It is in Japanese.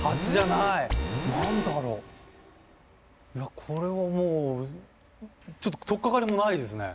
いやこれはもうちょっと取っかかりもないですね。